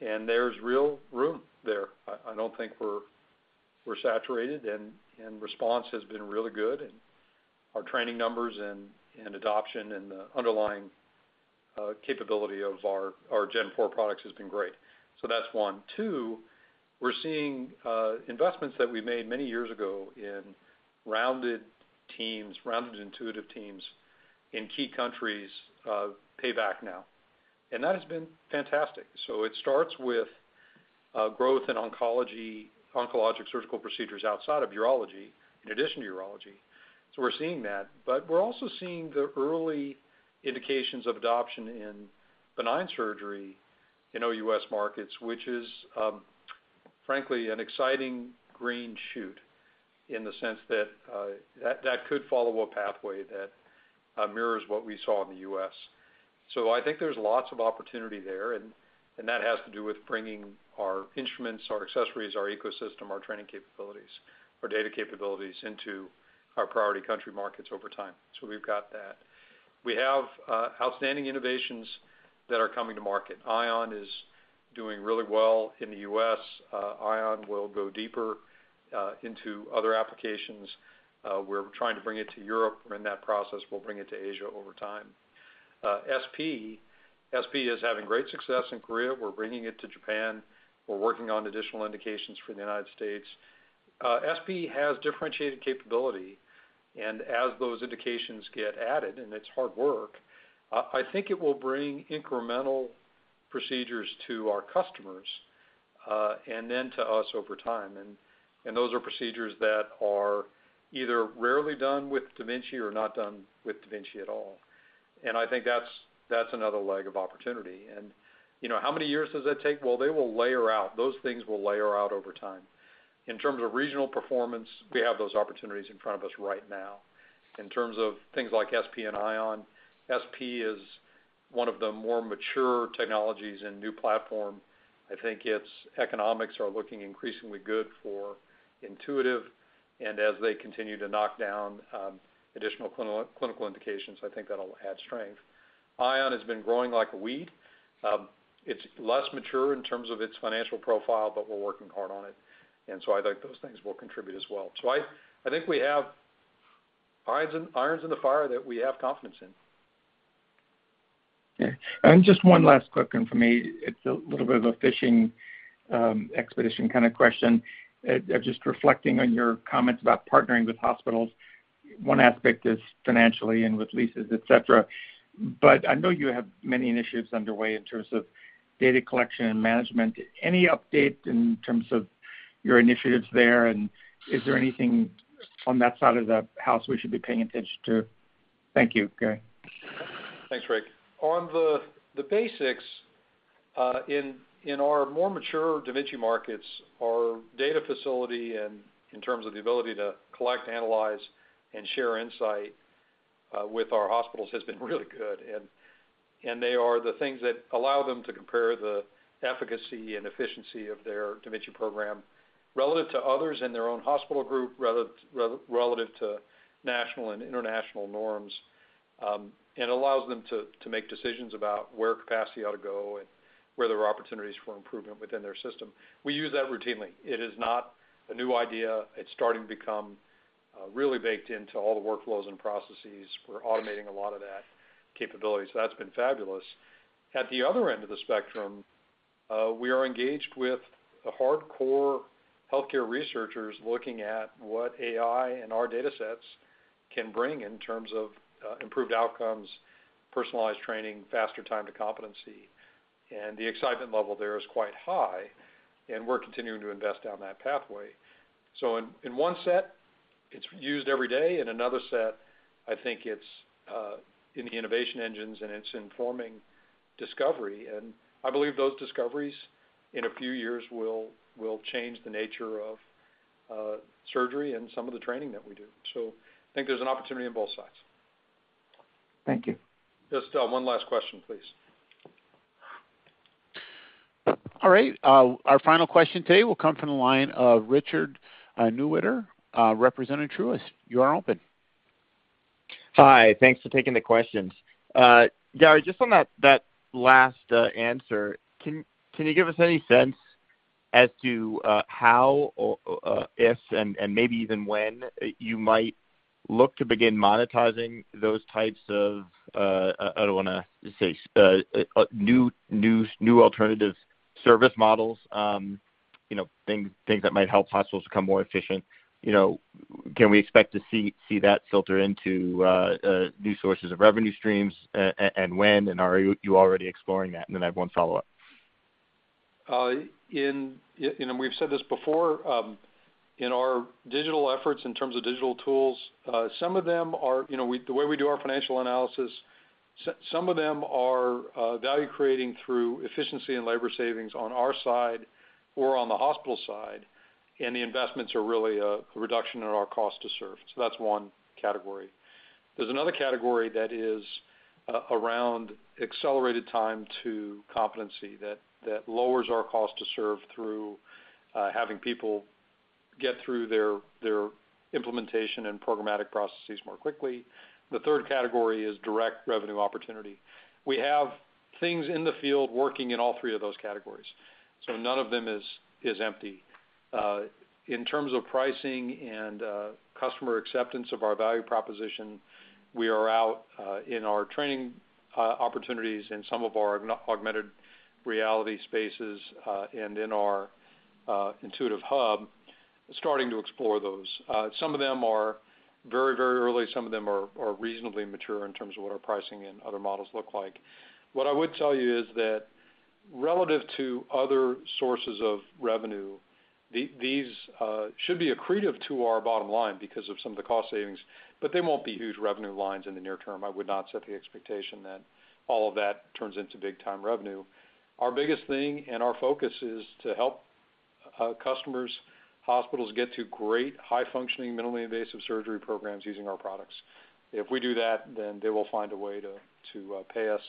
and there's real room there. I don't think we're saturated, and response has been really good. Our training numbers and adoption and the underlying capability of our Gen4 products has been great. That's one. Two, we're seeing investments that we made many years ago in rounded teams, rounded Intuitive teams in key countries pay back now, and that has been fantastic. It starts with growth in oncology, oncologic surgical procedures outside of urology, in addition to urology. We're seeing that. We're also seeing the early indications of adoption in benign surgery in OUS markets, which is, frankly, an exciting green shoot in the sense that that could follow a pathway that mirrors what we saw in the U.S. I think there's lots of opportunity there, and that has to do with bringing our instruments, our accessories, our ecosystem, our training capabilities, our data capabilities into our priority country markets over time. We've got that. We have outstanding innovations that are coming to market. Ion is doing really well in the U.S. Ion will go deeper into other applications. We're trying to bring it to Europe. We're in that process. We'll bring it to Asia over time. SP is having great success in Korea. We're bringing it to Japan. We're working on additional indications for the United States. SP has differentiated capability, and as those indications get added, and it's hard work, I think it will bring incremental procedures to our customers, and then to us over time. Those are procedures that are either rarely done with da Vinci or not done with da Vinci at all. I think that's another leg of opportunity. You know, how many years does that take? Well, they will layer out. Those things will layer out over time. In terms of regional performance, we have those opportunities in front of us right now. In terms of things like SP and Ion, SP is one of the more mature technologies in new platform. I think its economics are looking increasingly good for Intuitive. As they continue to knock down additional clinical indications, I think that'll add strength. Ion has been growing like a weed. It's less mature in terms of its financial profile, but we're working hard on it. I think we have irons in the fire that we have confidence in. Okay. Just one last quick one for me. It's a little bit of a fishing expedition kind of question. Just reflecting on your comments about partnering with hospitals, one aspect is financially and with leases, et cetera. I know you have many initiatives underway in terms of data collection and management. Any update in terms of your initiatives there, and is there anything on that side of the house we should be paying attention to? Thank you, Gary. Thanks, Rick. On the basics, in our more mature da Vinci markets, our data facility and in terms of the ability to collect, analyze, and share insight with our hospitals has been really good. They are the things that allow them to compare the efficacy and efficiency of their da Vinci program relative to others in their own hospital group, relative to national and international norms. It allows them to make decisions about where capacity ought to go and where there are opportunities for improvement within their system. We use that routinely. It is not a new idea. It's starting to become really baked into all the workflows and processes. We're automating a lot of that capability. That's been fabulous. At the other end of the spectrum, we are engaged with the hardcore healthcare researchers looking at what AI and our data sets can bring in terms of improved outcomes, personalized training, faster time to competency. The excitement level there is quite high, and we're continuing to invest down that pathway. In one set, it's used every day. In another set, I think it's in the innovation engines, and it's informing discovery. I believe those discoveries, in a few years, will change the nature of surgery and some of the training that we do. I think there's an opportunity on both sides. Thank you. Just one last question, please. All right, our final question today will come from the line of Richard Newitter representing Truist. You are open. Hi. Thanks for taking the questions. Gary, just on that last answer, can you give us any sense as to how or if and maybe even when you might look to begin monetizing those types of, I don't wanna say new alternative service models, you know, things that might help hospitals become more efficient. You know, can we expect to see that filter into new sources of revenue streams, and when, and are you already exploring that? I have one follow-up. You know, we've said this before, in our digital efforts in terms of digital tools, some of them are, you know, the way we do our financial analysis, some of them are value-creating through efficiency and labor savings on our side or on the hospital side, and the investments are really a reduction in our cost to serve. That's one category. There's another category that is around accelerated time to competency that lowers our cost to serve through having people get through their implementation and programmatic processes more quickly. The third category is direct revenue opportunity. We have things in the field working in all three of those categories, so none of them is empty. In terms of pricing and customer acceptance of our value proposition, we are out in our training opportunities in some of our augmented reality spaces, and in our Intuitive Hub, starting to explore those. Some of them are very, very early. Some of them are reasonably mature in terms of what our pricing and other models look like. What I would tell you is that relative to other sources of revenue, these should be accretive to our bottom line because of some of the cost savings, but they won't be huge revenue lines in the near term. I would not set the expectation that all of that turns into big time revenue. Our biggest thing and our focus is to help customers, hospitals get to great high functioning, minimally invasive surgery programs using our products. If we do that, they will find a way to pay us.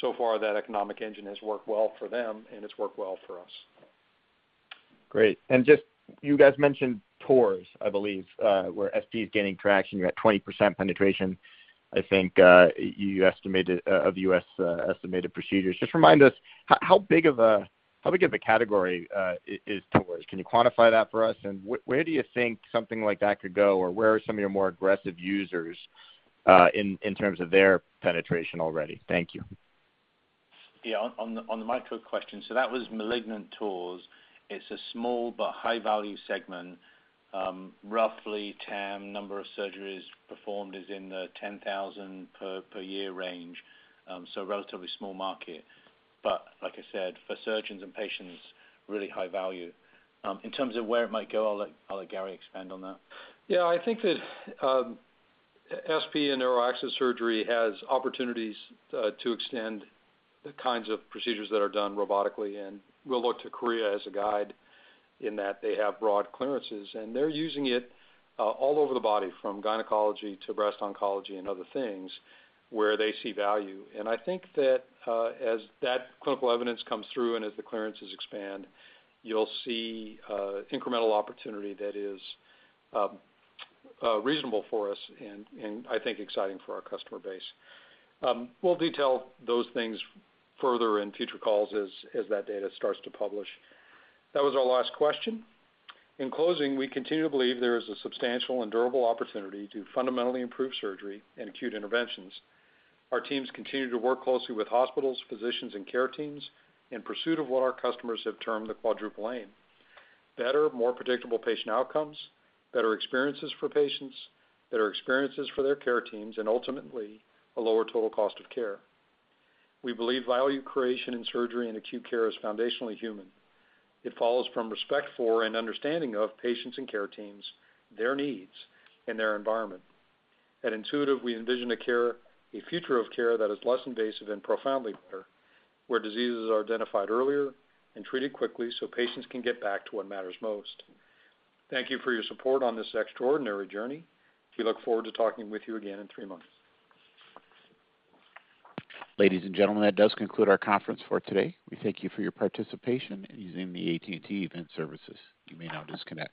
So far, that economic engine has worked well for them, and it's worked well for us. Great. Just, you guys mentioned TORS, I believe, where SP is gaining traction. You're at 20% penetration. I think you estimated of U.S. estimated procedures. Just remind us how big of a category is TORS? Can you quantify that for us? Where do you think something like that could go, or where are some of your more aggressive users in terms of their penetration already? Thank you. Yeah. On the micro question. That was malignant TORS. It's a small but high value segment. Roughly, the number of surgeries performed is in the 10,000 per year range. Relatively small market. But like I said, for surgeons and patients, really high value. In terms of where it might go, I'll let Gary expand on that. Yeah. I think that SP and neuroaxial surgery has opportunities to extend the kinds of procedures that are done robotically, and we'll look to Korea as a guide in that they have broad clearances, and they're using it all over the body, from gynecology to breast oncology and other things where they see value. I think that as that clinical evidence comes through and as the clearances expand, you'll see incremental opportunity that is reasonable for us and I think exciting for our customer base. We'll detail those things further in future calls as that data starts to publish. That was our last question. In closing, we continue to believe there is a substantial and durable opportunity to fundamentally improve surgery and acute interventions. Our teams continue to work closely with hospitals, physicians, and care teams in pursuit of what our customers have termed the quadruple aim. Better, more predictable patient outcomes, better experiences for patients, better experiences for their care teams, and ultimately, a lower total cost of care. We believe value creation in surgery and acute care is foundationally human. It follows from respect for and understanding of patients and care teams, their needs, and their environment. At Intuitive, we envision a care, a future of care that is less invasive and profoundly better, where diseases are identified earlier and treated quickly so patients can get back to what matters most. Thank you for your support on this extraordinary journey. We look forward to talking with you again in three months. Ladies and gentlemen, that does conclude our conference for today. We thank you for your participation in using the AT&T Event Services. You may now disconnect.